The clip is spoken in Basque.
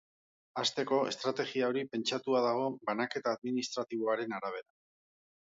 Hasteko, estrategia hori pentsatua dago banaketa administratiboaren arabera.